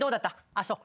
あっそう。